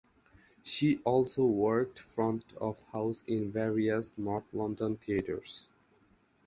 She also worked front of house in various north London theatres.